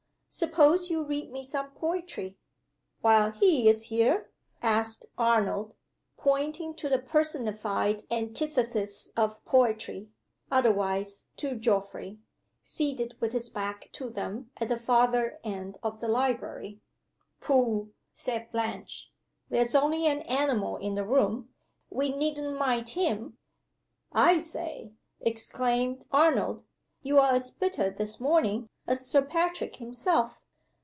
Suppose you read me some poetry?" "While he is here?" asked Arnold, pointing to the personified antithesis of poetry otherwise to Geoffrey, seated with his back to them at the farther end of the library. "Pooh!" said Blanche. "There's only an animal in the room. We needn't mind him!" "I say!" exclaimed Arnold. "You're as bitter, this morning, as Sir Patrick himself.